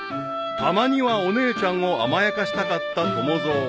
［たまにはお姉ちゃんを甘やかしたかった友蔵］